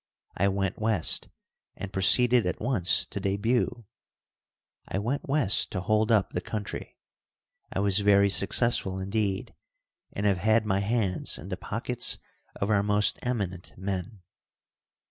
I went west and proceeded at once to debut. I went west to hold up the country. I was very successful, indeed, and have had my hands in the pockets of our most eminent men.